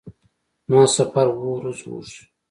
زما سفر اووه ورځو اوږد شو.